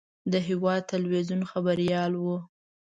د هېواد تلویزیون خبریال و.